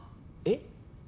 えっ？